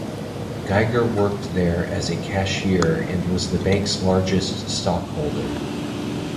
Geiger worked there as a cashier and was the bank's largest stockholder.